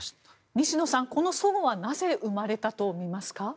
西野さん、この齟齬はなぜ生まれたと考えますか？